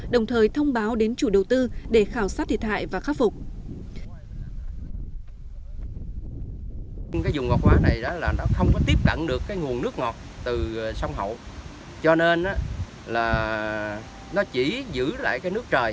đồng thời thông báo đến chủ đầu tư để khảo sát thiệt hại và khắc phục